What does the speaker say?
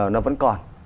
nó vẫn còn